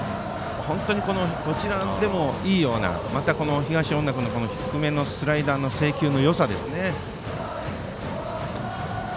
本当にどちらでもいいようなまた、東恩納君の低めのスライダーの制球のよさですね。